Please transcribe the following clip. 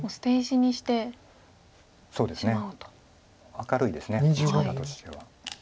明るいです打ち方としては。